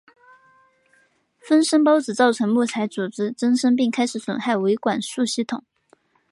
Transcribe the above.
分生孢子造成木材组织增生并开始损害维管束系统。